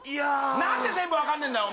なんで全部分かんねぇんだよ。